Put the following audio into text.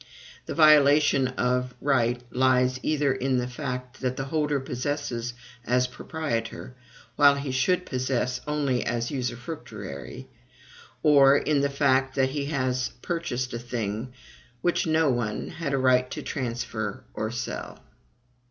The violation of right lies either in the fact that the holder possesses as proprietor, while he should possess only as usufructuary; or in the fact that he has purchased a thing which no one had a right to transfer or sell.